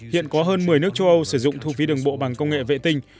hiện có hơn một mươi nước châu âu sử dụng thu phí đường bộ bằng công nghệ vệ tinh